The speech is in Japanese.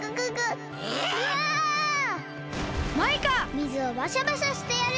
水をバシャバシャしてやる！